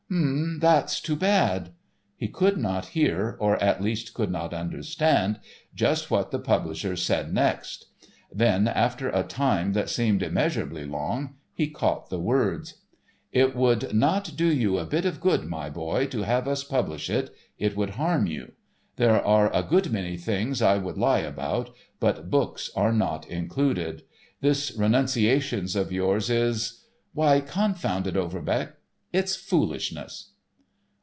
"H'm—that's too b bad." He could not hear, or at least could not understand, just what the publisher said next. Then, after a time that seemed immeasurably long, he caught the words: "It would not do you a bit of good, my boy, to have us publish it—it would harm you. There are a good many things I would lie about, but books are not included. This 'Renunciations' of yours is—is, why, confound it, Overbeck, it's foolishness."